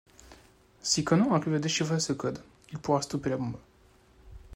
Si Conan arrive à déchiffrer ce code, il pourra stopper la bombe.